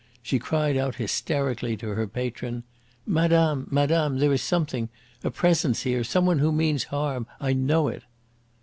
She cried out hysterically to her patron: "Madame! Madame! There is something a presence here some one who means harm! I know it!"